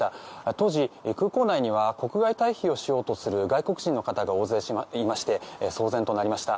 当時、空港内には国外退避をしようとする外国人の方が大勢いまして騒然となりました。